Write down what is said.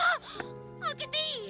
開けていい？